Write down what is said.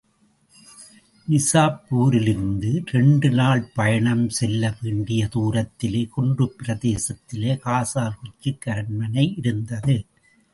நிசாப்பூரிலிருந்து இரண்டு நாள் பயணம் செல்ல வேண்டிய தூரத்திலே, குன்றுப் பிரதேசத்திலே காசர் குச்சிக் அரண்மனை யிருந்தது.